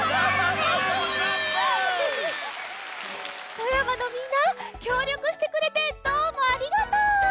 富山のみんなきょうりょくしてくれてどうもありがとう！